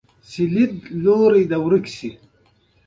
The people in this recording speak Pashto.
د حذف د ټکو لپاره څه ټاکلې شمېر نشته.